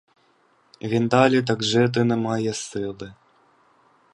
Він далі так жити не має сили.